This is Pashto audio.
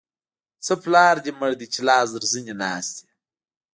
څه پلار دې مړ دی؛ چې لاس تر زنې ناست يې.